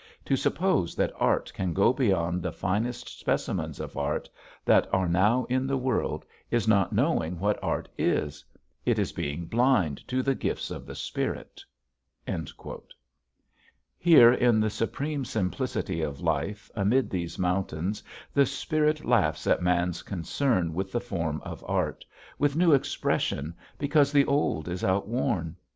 To suppose that Art can go beyond the finest specimens of Art that are now in the world is not knowing what Art is; it is being blind to the gifts of the Spirit." Here in the supreme simplicity of life amid these mountains the spirit laughs at man's concern with the form of Art, with new expression because the old is outworn!